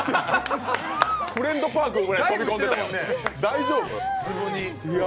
「フレンドパーク」ぐらい飛び込んでたよ大丈夫？